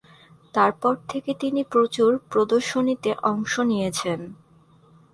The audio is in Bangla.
তারপর থেকে তিনি প্রচুর প্রদর্শনীতে অংশ নিয়েছেন।